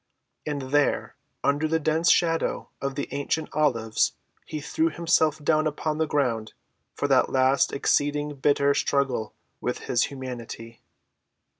And there under the dense shadow of the ancient olives he threw himself down upon the ground for that last exceeding bitter struggle with his humanity.